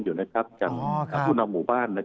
อยู่นะครับกับคุณหมู่บ้าน